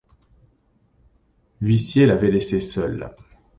L’huissier l’avait laissé seul.